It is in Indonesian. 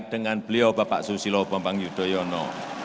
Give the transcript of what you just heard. dengan beliau bapak susilo bambang yudhoyono